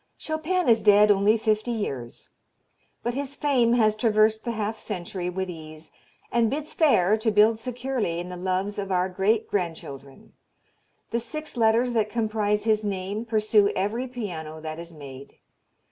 Chopin is dead only fifty years, but his fame has traversed the half century with ease, and bids fair to build securely in the loves of our great grandchildren. The six letters that comprise his name pursue every piano that is made.